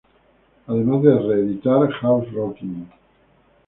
Además de reeditar "House Rockin"'.